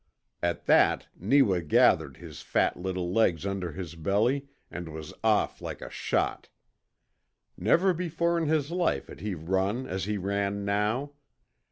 At that Neewa gathered his fat little legs under his belly and was off like a shot. Never before in his life had he run as he ran now.